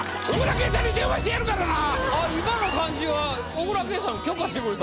今の感じは小椋佳さん許可してくれたの？